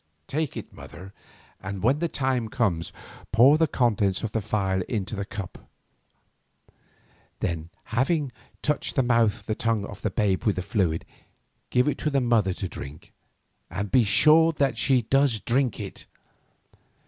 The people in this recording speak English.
Take it, mother, and when the time comes, pour the contents of the phial into a cup of water. Then, having touched the mouth and tongue of the babe with the fluid, give it to the mother to drink and be sure that she does drink it.